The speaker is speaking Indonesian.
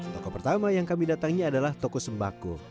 toko pertama yang kami datangi adalah toko sembako